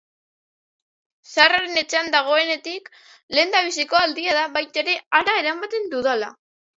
Zaharren etxean dagoenetik, lehendabiziko aldia da baita ere hara eramaten dudala.